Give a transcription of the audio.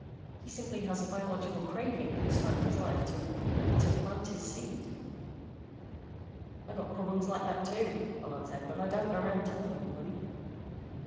He simply has a biological craving at this time in his life to to plant his seed." "I got problems like that, too," Bullard said, "but I don't go around telling everybody."